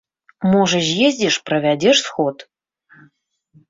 Можа з'ездзіш, правядзеш сход?